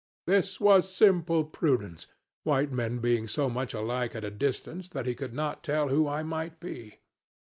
This was simple prudence, white men being so much alike at a distance that he could not tell who I might be.